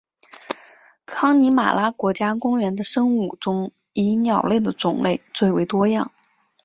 康尼玛拉国家公园的生物中以鸟类的种类最为多样。